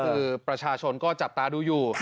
คือประชาชนก็จับตาดูอยู่